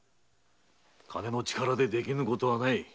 金の力でできぬことはない。